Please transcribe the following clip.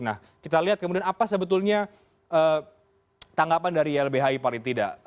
nah kita lihat kemudian apa sebetulnya tanggapan dari ylbhi paling tidak